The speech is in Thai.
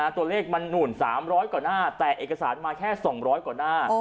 ตัวเลขมันหนุ่น๓๐๐กว่าหน้าแต่เอกสารมาแค่๒๐๐กว่าหน้า